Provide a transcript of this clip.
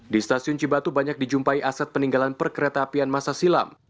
di stasiun cibatu banyak dijumpai aset peninggalan perkereta apian masa silam